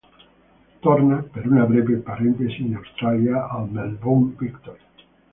Torna per una breve parentesi in Australia, al Melbourne Victory.